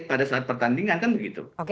pada saat pertandingan kan begitu